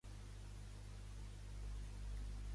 A què anima a introduir-se als alumnes encara ara?